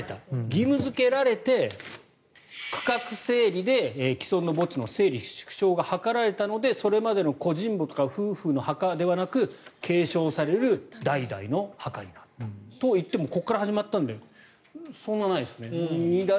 義務付けられて、区画整理で既存の墓地の整理縮小が図られたので、それまでの個人墓夫婦墓ではなく継承される代々の墓になったといってもといってもここから始まったのでそんなにないですね。